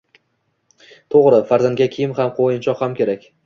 To‘g‘ri, farzandga kiyim ham, o‘yinchoq ham kerak.